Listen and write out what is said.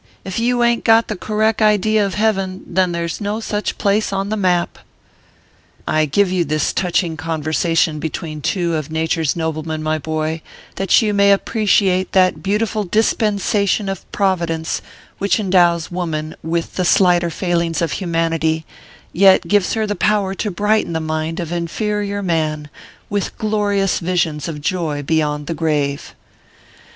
If you ain t got the correck idea of Heaven there s no such place on the map." I give you this touching conversation between two of nature s noblemen, my boy, that you may appre ciate that beautiful dispensation of Providence which endows woman with the slighter failings of humanity, yet gives her the power to brighten the mind of in ferior man with glorious visions of joy beyond the grave.